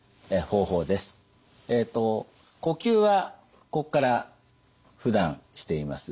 呼吸はここからふだんしています。